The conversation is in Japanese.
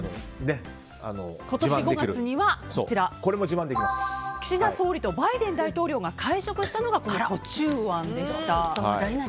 今年５月には岸田総理とバイデン大統領が会食したのがこの壺中庵でした。